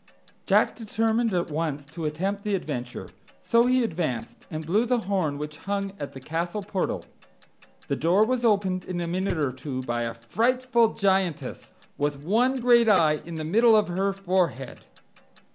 Jack determined at once to attempt the adventure; so he advanced, and blew the horn which hung at the castle portal. The door was opened in a minute or two by a frightful Giantess, with one great eye in the middle of her forehead.